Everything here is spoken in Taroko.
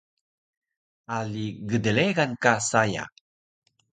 Ali gdregan ka saya